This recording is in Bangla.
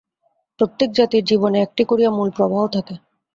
প্রত্যেক জাতির জীবনে একটি করিয়া মূল প্রবাহ থাকে।